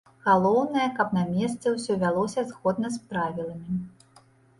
Галоўнае, каб на месцы ўсё вялося згодна з правіламі.